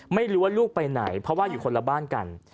ไม่รู้ว่าลูกไปไหนเพราะว่าอยู่คนละบ้านกัน